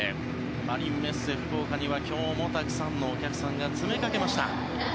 マリンメッセ福岡には今日もたくさんのお客さんが詰めかけました。